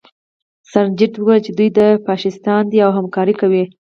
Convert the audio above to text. سرجنټ وویل چې دوی فاشیستان دي او همکاري کوي